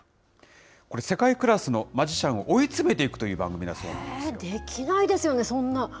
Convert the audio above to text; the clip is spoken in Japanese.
これ、世界クラスのマジシャンを追い詰めていくという番組だできないですよね、そんな。